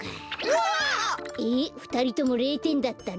わっ！えふたりとも０点だったの？